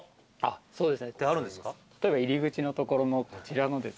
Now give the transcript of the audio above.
例えば入り口の所のこちらのですね。